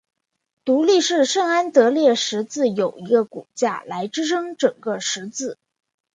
独立式圣安得烈十字有一个骨架来支撑整个十字。